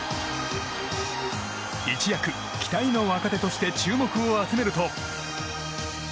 一躍、期待の若手として注目を集めると。